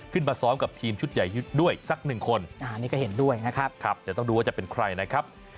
ซ้อมกับทีมชุดใหญ่ด้วยสักหนึ่งคนอันนี้ก็เห็นด้วยนะครับครับเดี๋ยวต้องดูว่าจะเป็นใครนะครับ